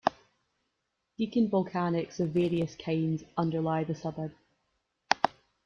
Deakin Volcanics of various kinds underlie the suburb.